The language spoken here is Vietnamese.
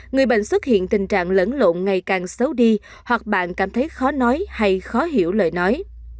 người bệnh xuất hiện tình trạng lẫn lộn ngày càng xấu đi hoặc bạn cảm thấy khó nói hay khó hiểu lời nói